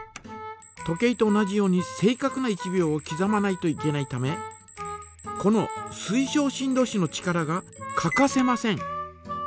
時計と同じように正かくな１秒をきざまないといけないためこの水晶振動子の力が欠かせません。